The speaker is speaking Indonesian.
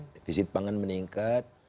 defisit pangan meningkat